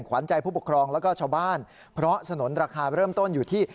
ขวัญใจผู้ปกครองแล้วก็ชาวบ้านเพราะสนุนราคาเริ่มต้นอยู่ที่